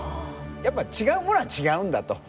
やっぱ違うものは違うんだと。